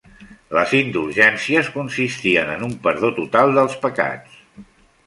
Les indulgències consistien en un perdó total dels pecats.